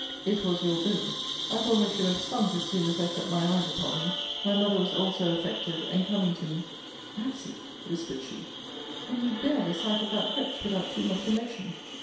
It was your villain. I thought I should have sunk as soon as I set my eyes upon him. My mother was also affected; and, coming to me, Nancy, whispered she, can you bear the sight of that wretch without too much emotion?